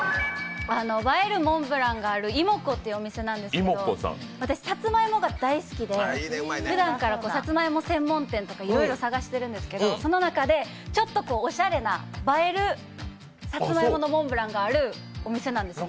映えるモンブランがあるいもこっていうお店なんですけど私、さつまいもが大好きで、ふだんからさつまいも専門店とかいろいろ探してるんですけど、その中で、ちょっとおしゃれな映えるさつまいものモンブランがあるお店なんです。